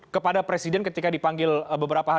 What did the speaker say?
kepada presiden ketika diperoleh